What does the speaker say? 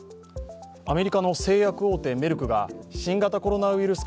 アメリカの製薬大手メルクが新型コロナウイルス